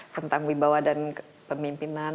tentang wibawa dan pemimpinan